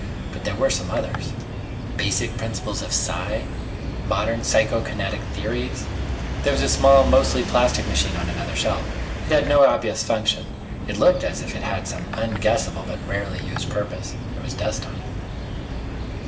But there were some others: "Basic Principles of Psi", "Modern Psychokinetic Theories." There was a small, mostly plastic machine on another shelf. It had no obvious function. It looked as if it had some unguessable but rarely used purpose. There was dust on it.